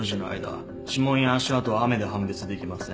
指紋や足跡は雨で判別できません。